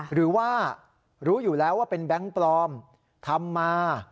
หรือว่ารู้อยู่แล้วว่าเป็นแบงค์ปลอมทำมา